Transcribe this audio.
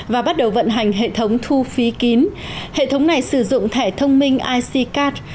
và bắt đầu vận hành hệ thống thu phí kín hệ thống này sử dụng thẻ thông minh iccat